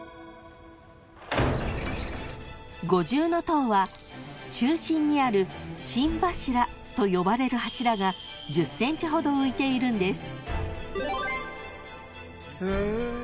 ［五重塔は中心にある心柱と呼ばれる柱が１０ｃｍほど浮いているんです］